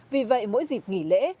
vì vậy mỗi dịp nghỉ lễ